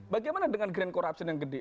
bagaimana dengan grand corruption yang gede